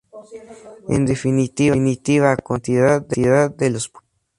En definitiva, contra la identidad de los pueblos.